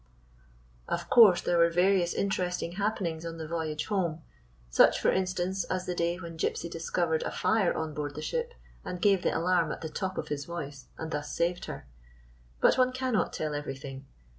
Of course, there were various interesting hap penings on the voyage home — such, for instance, as the day when Gypsy discovered a fire on board the ship, and gave the alarm at the top of his voice, and thus saved her. But one can not tell everything.